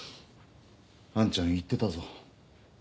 あんちゃん言ってたぞ。